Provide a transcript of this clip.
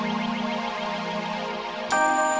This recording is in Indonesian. udah bangun di pain lukar